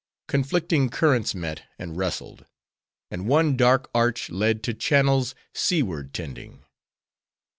Conflicting currents met, and wrestled; and one dark arch led to channels, seaward tending.